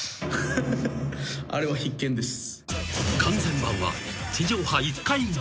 あれは必見です。